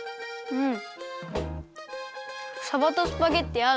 うん。